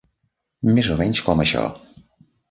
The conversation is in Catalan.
Més o menys com això.